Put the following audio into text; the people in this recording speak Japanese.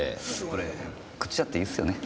これ食っちゃっていいっすよね？